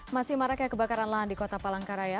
masih maraknya kebakaran lahan di kota palangkaraya